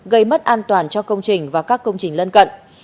gây mất an toàn cho công trình và các công trình lân cận